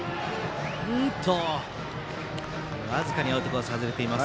僅かにアウトコース外れていました。